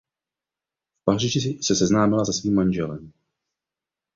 V Paříži se seznámila se svým manželem.